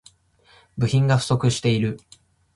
部品が不足している